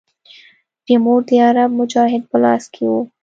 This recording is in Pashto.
ريموټ د عرب مجاهد په لاس کښې و.